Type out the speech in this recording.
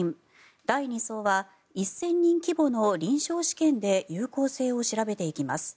第２相は１０００人規模の臨床試験で有効性を調べていきます。